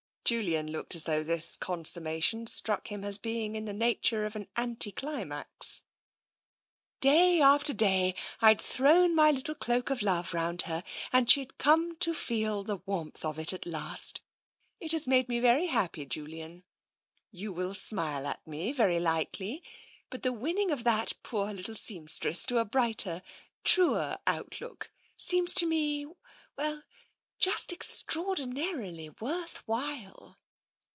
Julian looked as though this consummation struck him as being in the nature of an anti climax. " Day after day, I'd thrown my little Cloak of Love round her — and she'd come to feel the warmth of it at last. It has made me very happy, Julian. You will smile at me, very likely, but the winning of that poor little seamstress to a brighter, truer outlook seems to me — well, just extraordinarily worth while."